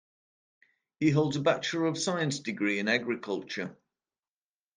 He holds a Bachelor of Science degree in Agriculture.